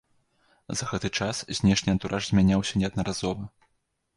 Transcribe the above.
За гэты час знешні антураж змяняўся неаднаразова.